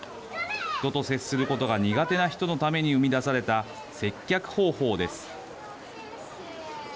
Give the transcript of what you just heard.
人と接することが苦手な人のために生み出された接客方法です。